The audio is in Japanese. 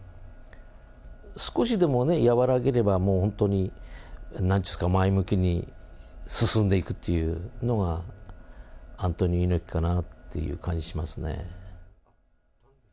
少しでも和らげれば、もう本当になんというか、前向きに進んでいくっていうのが、アントニオ猪木かなっていう感じしますね。